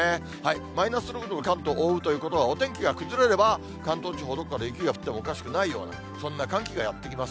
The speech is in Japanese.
マイナス６度が関東を覆うということになれば、お天気が崩れれば、関東地方、どこかで雪が降ってもおかしくないような、そんな寒気がやって来ます。